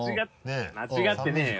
間違ってねぇよ。